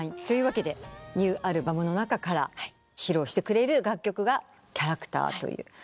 というわけでニューアルバムの中から披露してくれる楽曲が『キャラクター』という。